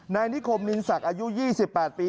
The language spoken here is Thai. นายนิคมนินศักดิ์อายุ๒๘ปี